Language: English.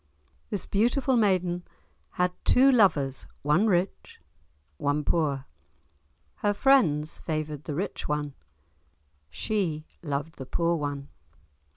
This beautiful maiden had two lovers, one rich, one poor. Her friends favoured the rich one, she loved the poor one.